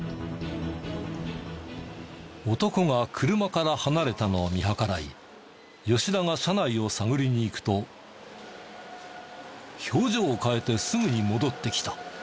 男が車から離れたのを見計らい吉田が車内を探りに行くと表情を変えてすぐに戻ってきた。